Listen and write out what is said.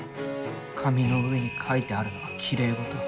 紙の上に書いてあるのはきれい事。